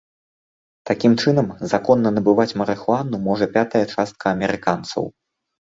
Такім чынам, законна набываць марыхуану можа пятая частка амерыканцаў.